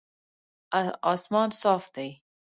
اسمان صاف دی